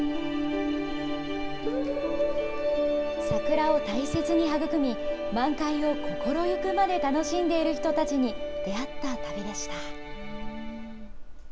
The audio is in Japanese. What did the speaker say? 桜を大切に育み、満開を心ゆくまで楽しんでいる人たちに出会った旅でした。